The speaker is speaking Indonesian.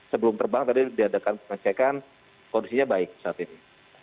sebelum terbang tadi diadakan pengecekan kondisinya baik saat ini